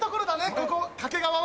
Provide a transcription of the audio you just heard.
ここ掛川は。